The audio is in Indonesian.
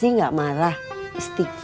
icy enggak marah istighfar